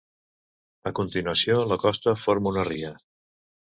A continuació, la costa forma una ria.